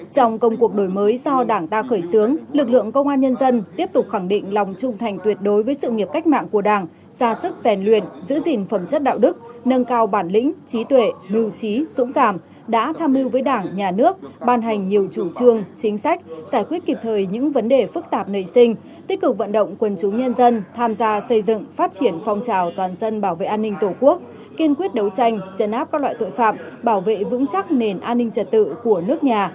trong công cuộc đổi mới do đảng ta khởi xướng lực lượng công an nhân dân tiếp tục khẳng định lòng trung thành tuyệt đối với sự nghiệp cách mạng của đảng ra sức rèn luyện giữ gìn phẩm chất đạo đức nâng cao bản lĩnh trí tuệ bưu trí sũng cảm đã tham lưu với đảng nhà nước ban hành nhiều chủ trương chính sách giải quyết kịp thời những vấn đề phức tạp nơi sinh tích cực vận động quân chú nhân dân tham gia xây dựng phát triển phong trào toàn dân bảo vệ an ninh tổ quốc kiên quyết đấu tranh chấn á